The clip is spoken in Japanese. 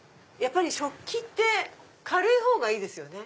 食器って軽いほうがいいですよね